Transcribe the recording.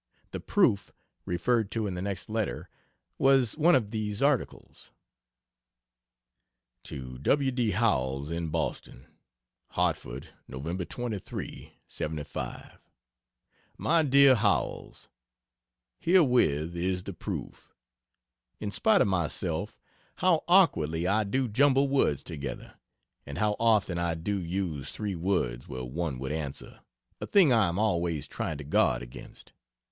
The "proof" referred to in the next letter was of one of these articles. To W. D. Howells, in Boston: HARTFORD, Nov. 23, '75. MY DEAR HOWELLS, Herewith is the proof. In spite of myself, how awkwardly I do jumble words together; and how often I do use three words where one would answer a thing I am always trying to guard against.